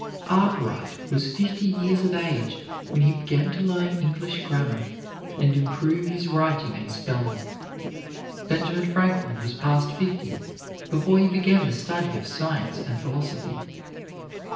Arkwright was fifty years of age when he began to learn English grammar and improve his writing and spelling. Benjamin Franklin was past fifty before he began the study of science and philosophy.